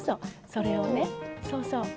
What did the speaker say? それをねそうそう。